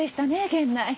源内。